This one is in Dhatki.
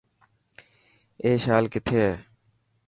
اي شال ڪٿي هي.